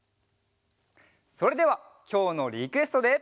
それではきょうのリクエストで。